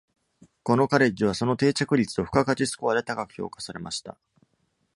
このカレッジは、その定着率と付加価値スコアで高く評価されました。